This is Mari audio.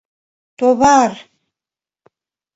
— Товар...